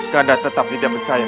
kanda tetap tidak percaya padamu